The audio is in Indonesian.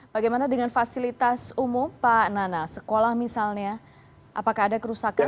bagaimana dengan fasilitas umum pak nana sekolah misalnya apakah ada kerusakan